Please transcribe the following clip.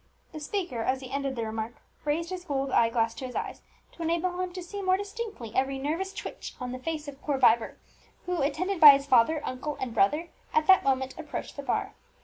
The speaker, as he ended the remark, raised his gold eye glass to his eyes, to enable him to see more distinctly every nervous twitch on the face of poor Vibert, who, attended by his father, uncle, and brother, at that moment approached the bar.